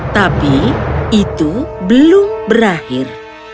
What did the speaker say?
tapi itu belum berakhir